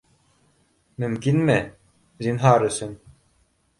Мөмкинме? Зинһар өсөн.